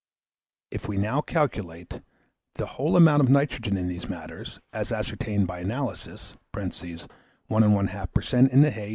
If we now calculate the whole amount of nitrogen in these matters, as ascertained by analysis (1 1/2 per cent. in the hay, 2.